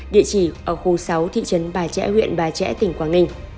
địa chỉ ở khu sáu thị trấn bà trẻ huyện bà trẻ tỉnh quảng ninh